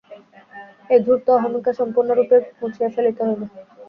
এই ধূর্ত অহমিকা সম্পূর্ণরূপে মুছিয়া ফেলিতে হইবে।